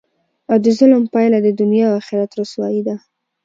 او دظلم پایله د دنیا او اخرت رسوايي ده،